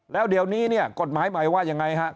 แล้วเดี๋ยวนี้เนี่ยกฎหมายใหม่ว่ายังไงฮะ